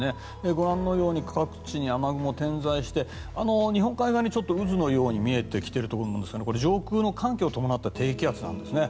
ご覧のように各地に雨雲が点在して日本海側にちょっと渦のように見えてきていると思いますが上空の寒気を伴った低気圧なんです。